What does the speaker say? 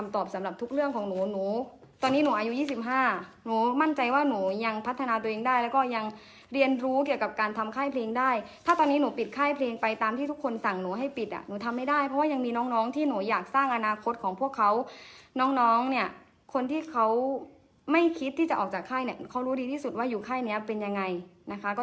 สำหรับทุกเรื่องของหนูหนูตอนนี้หนูอายุ๒๕หนูมั่นใจว่าหนูยังพัฒนาตัวเองได้แล้วก็ยังเรียนรู้เกี่ยวกับการทำค่ายเพลงได้ถ้าตอนนี้หนูปิดค่ายเพลงไปตามที่ทุกคนสั่งหนูให้ปิดอ่ะหนูทำไม่ได้เพราะว่ายังมีน้องน้องที่หนูอยากสร้างอนาคตของพวกเขาน้องน้องเนี่ยคนที่เขาไม่คิดที่จะออกจากค่ายเนี่ยเขารู้ดีที่สุดว่าอยู่ค่ายนี้เป็นยังไงนะคะ